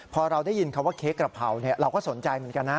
พอเราได้ยินคำว่าเค้กกระเพราเราก็สนใจเหมือนกันนะ